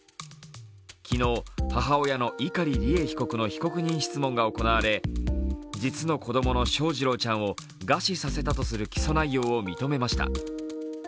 昨日、母親の碇利恵被告の被告人質問が行われ、実の子供の翔士郎ちゃんを餓死させたとする起訴内容を認めました。